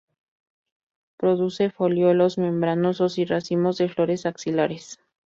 Produce foliolos membranosos y racimos de flores axilares.